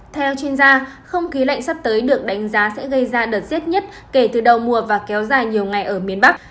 theo chuyên gia không khí lạnh sắp tới được đánh giá sẽ gây ra đợt rét nhất kể từ đầu mùa và kéo dài nhiều ngày ở miền bắc